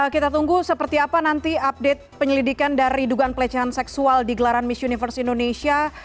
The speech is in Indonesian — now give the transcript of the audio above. kita tunggu seperti apa nanti update penyelidikan dari dugaan pelecehan seksual di gelaran miss universe indonesia